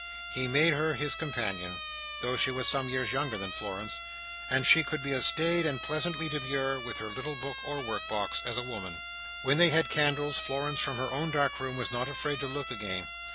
He made her his companion, though she was some years younger than Florence; and she could be as staid and pleasantly demure, with her little book or work box, as a woman. When they had candles, Florence from her own dark room was not afraid to look again.